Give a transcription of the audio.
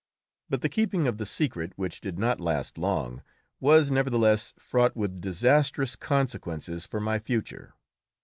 But the keeping of the secret, which did not last long, was nevertheless fraught with disastrous consequences for my future.